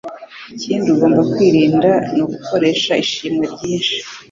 Ikindi ugomba kwirinda ni ugukoresha ishimwe ryinshi